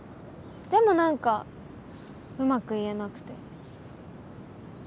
でも何かうまく言えなくて。